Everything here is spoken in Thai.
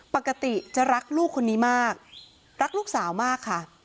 ปกติจะรักลูกคนนี้มากรักลูกสาวมากค่ะ